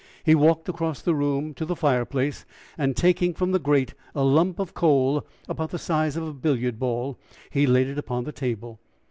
He walked across the room to the fireplace, and taking from the grate a lump of coal about the size of a billiard ball, he laid it upon the table.